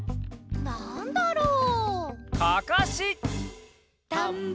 「なんだろう？」